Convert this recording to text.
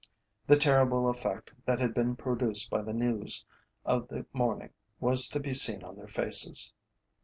The terrible effect that had been produced by the news of the morning was to be seen on their faces.